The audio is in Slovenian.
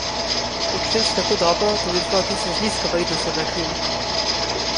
Počutim se tako dobro, da bom izbral tiste z nizko vrednostjo vlaknin.